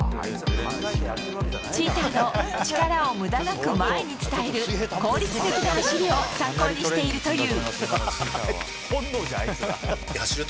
チーターの力を無駄なく前に伝える効率的な走りを参考にしているという。